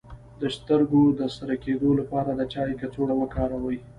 د سترګو د سره کیدو لپاره د چای کڅوړه وکاروئ